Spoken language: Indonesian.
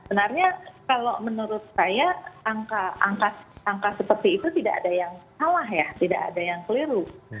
sebenarnya kalau menurut saya angka seperti itu tidak ada yang salah ya tidak ada yang keliru